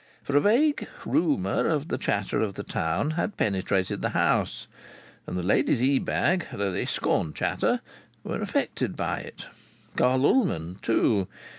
For a vague rumour of the chatter of the town had penetrated the house, and the ladies Ebag, though they scorned chatter, were affected by it; Carl Ullman, too.